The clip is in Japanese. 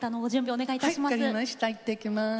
お願いいたします。